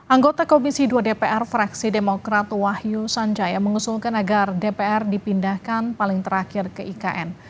anggota komisi dua dpr fraksi demokrat wahyu sanjaya mengusulkan agar dpr dipindahkan paling terakhir ke ikn